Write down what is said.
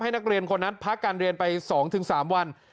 ให้นักเรียนคนนั้นพักการเรียนไปสองถึงสามวัน